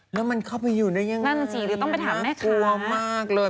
แล้วมันเข้าไปอยู่ได้ยังไงนักกลัวมากเลย